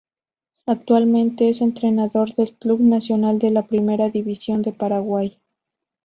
Actualmente es entrenador del Club Nacional de la Primera División de Paraguay.